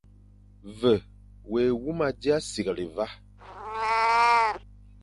Ve wé huma dia sighle va,